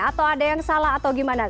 atau ada yang salah atau gimana